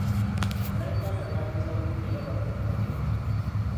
Bannayuganda baaniriza bulungi era bafa ku bagenyi.